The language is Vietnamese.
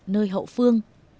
nơi hậu phương